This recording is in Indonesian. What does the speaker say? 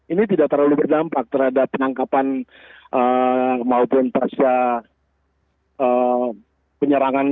ini tidak terlalu berdampak terhadap penangkapan maupun pasca penyerangan